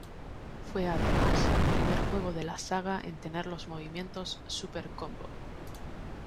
Fue además el primer juego de la saga en tener los movimientos "super combo".